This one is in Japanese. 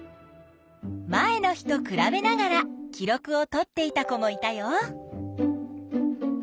前の日とくらべながら記録をとっていた子もいたよ。